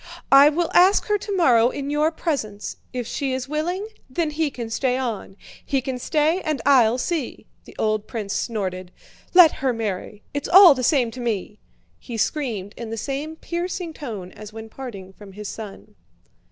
I will ask her tomorrow in your presence; if she is willing, then he can stay on. He can stay and I'll see." The old prince snorted. "Let her marry, it's all the same to me!" he screamed in the same piercing tone as when parting from his son.